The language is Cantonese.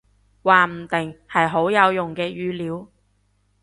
話唔定，係好有用嘅語料